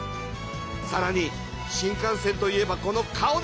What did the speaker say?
さらに新幹線といえばこの顔だ。